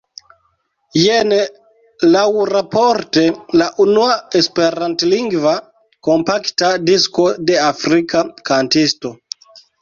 Jen laŭraporte la unua Esperantlingva kompakta disko de afrika kantisto.